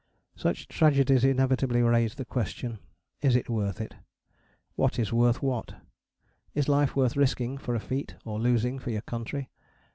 Such tragedies inevitably raise the question, "Is it worth it?" What is worth what? Is life worth risking for a feat, or losing for your country?